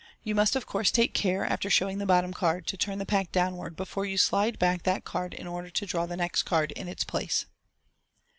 You must, of course, take care, after showing the bottom card, to turn the pack downward before you slide back that card in order to draw the next card in its place.